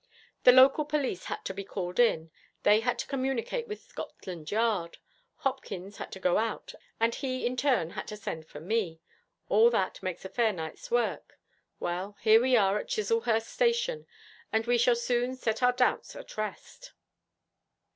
The local police had to be called in, they had to communicate with Scotland Yard, Hopkins had to go out, and he in turn had to send for me. All that makes a fair night's work. Well, here we are at Chislehurst Station, and we shall soon set our doubts at rest.'